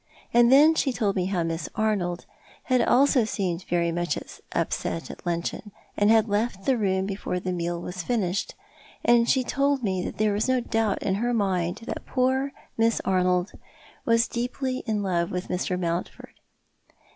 And then she told me how Miss Arnold also had seemed very miach upset at luncheon, and had left the room before the meal was finished ; and she told me there was no doubt in her mind that poor Miss Arnold was deeply in love with Mr. Mountford.